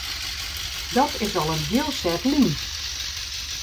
Dat is al in heel set lyn.